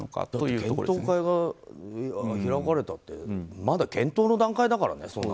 検討会が開かれたってまだ検討の段階だからね。